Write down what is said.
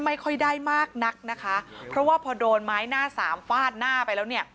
ไม่ค่อยได้มากนักนะคะเพราะว่าพอโดนไม้หน้าสามฟาดหน้าไปแล้วเนี่ย